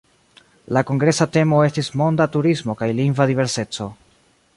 La kongresa temo estis "Monda turismo kaj lingva diverseco".